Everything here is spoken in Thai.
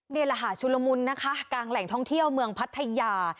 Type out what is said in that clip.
ในรหาชุลมุนนะคะกันแหลงท้องเที่ยวเมืองพัทยา